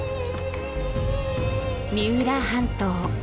三浦半島。